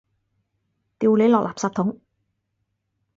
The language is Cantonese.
掉你落垃圾桶！